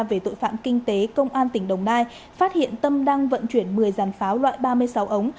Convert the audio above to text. về tội phạm kinh tế công an tỉnh đồng nai phát hiện tâm đang vận chuyển một mươi dàn pháo loại ba mươi sáu ống